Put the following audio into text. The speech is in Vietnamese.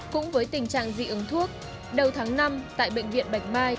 cũng với tình trạng dị ứng thuốc đầu tháng năm tại bệnh viện bạch mai